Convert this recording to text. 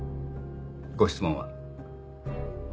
ご質問は？